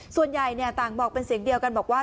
ส่วนใหญ่ต่างบอกเป็นเสียงเดียวกันบอกว่า